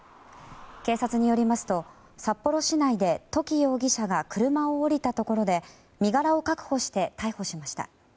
警察によりますと、札幌市内で土岐容疑者が車を降りたところで身柄を確保して逮捕しました。